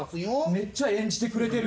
めっちゃ演じてくれてる。